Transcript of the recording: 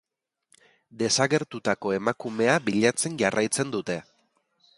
Desagertutako emakumea bilatzen jarraitzen dute.